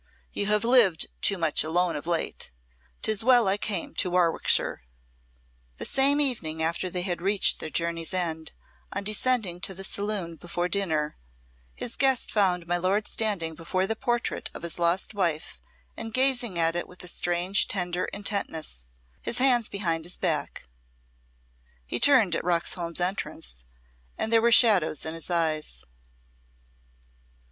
You have lived too much alone of late. 'Tis well I came to Warwickshire." This same evening after they had reached their journey's end, on descending to the saloon before dinner, his guest found my lord standing before the portrait of his lost wife and gazing at it with a strange tender intentness, his hands behind his back. He turned at Roxholm's entrance, and there were shadows in his eyes.